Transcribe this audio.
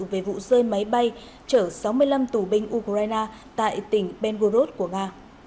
về vụ rơi máy bay chở sáu mươi năm tù binh ukraine tại tỉnh benburroud của nga